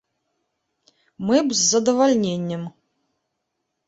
Мы б з задавальненнем.